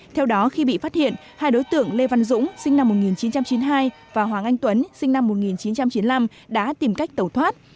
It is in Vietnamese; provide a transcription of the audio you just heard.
theo đó khi bị phát hiện hai đối tượng lê văn dũng sinh năm một nghìn chín trăm chín mươi hai và hoàng anh tuấn sinh năm một nghìn chín trăm chín mươi năm đã tìm cách tẩu thoát